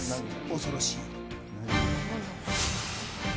恐ろしい。